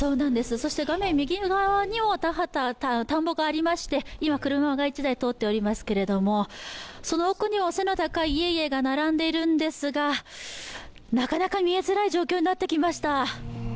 そして画面右側にも田んぼがありまして、今、車が１台通っておりますけどその奥には背の高い家々が並んでいるんですが、なかなか見えづらい状況になってきました。